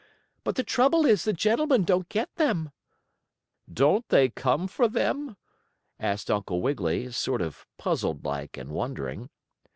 But the trouble is the gentlemen don't get them." "Don't they come for them?" asked Uncle Wiggily, sort of puzzled like and wondering.